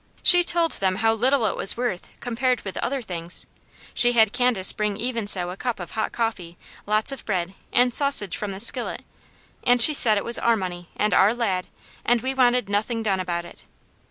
She told them how little it was worth compared with other things; she had Candace bring Even So a cup of hot coffee, lots of bread, and sausage from the skillet, and she said it was our money, and our lad, and we wanted nothing done about it.